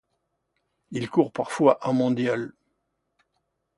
Il court parfois en mondial.